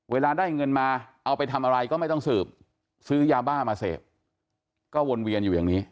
เวลาได้เงินมาเอาไปทำอะไรก็ไม่ต้องสืบซื้อยาบ้ามาเสพก็วนเวียนอยู่อย่างนี้